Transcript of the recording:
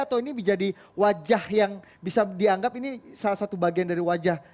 atau ini menjadi wajah yang bisa dianggap ini salah satu bagian dari wajah